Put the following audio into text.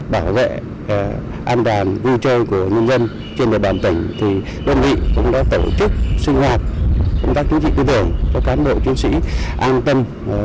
bảo vệ an toàn vui chơi của nhân dân trên địa bàn tỉnh thì đương vị cũng đã tổ chức sinh hoạt công tác chính trị tư tưởng cho cán bộ chiến sĩ an tâm